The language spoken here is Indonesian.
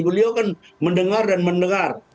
beliau kan mendengar dan mendengar